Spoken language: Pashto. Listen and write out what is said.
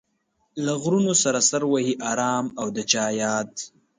له غرونو سره سر وهي ارام او د چا ياد